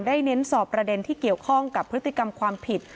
เน้นสอบประเด็นที่เกี่ยวข้องกับพฤติกรรมความผิด